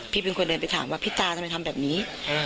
พี่เป็นคนเดินไปถามว่าพี่ตาทำไมทำแบบนี้